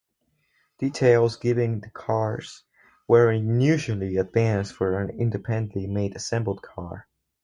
Details given the cars were unusually advanced for an independently made assembled car.